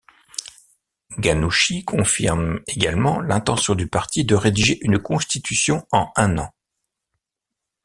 Ghannouchi confirme également l'intention du parti de rédiger une Constitution en un an.